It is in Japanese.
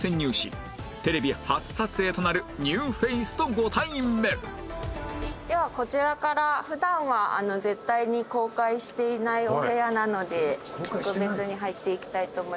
今回はではこちらから普段は絶対に公開していないお部屋なので特別に入っていきたいと思います。